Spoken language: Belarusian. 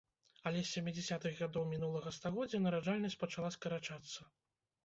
Але з сямідзясятых гадоў мінулага стагоддзя нараджальнасць пачала скарачацца.